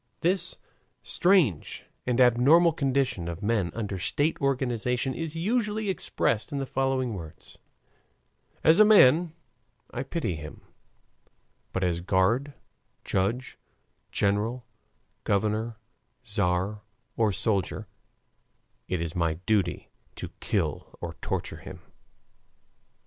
This strange and abnormal condition of men under state organization is usually expressed in the following words: "As a man, I pity him; but as guard, judge, general, governor, tzar, or soldier, it is my duty to kill or torture him."